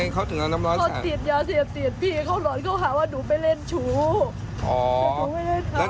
เค้าน้ำร้อนอะไรลวก